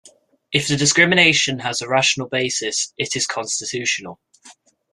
If the discrimination has a rational basis, it is constitutional.